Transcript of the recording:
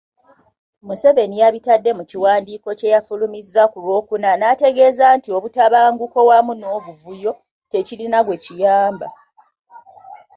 Museveni yabitadde mukiwandiiko kye yafulumizza ku Lwokuna n'ategeeza nti obutabanguko wamu n'obuvuyo tekirina gwe kiyamba.